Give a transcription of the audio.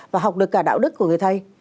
và học được cả đạo đức của người thầy